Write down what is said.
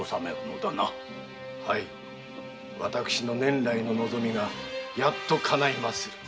私の念来の望みがやっとかなえられまする。